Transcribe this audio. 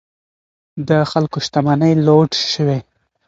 د خلکو شتمنۍ لوټ شوې.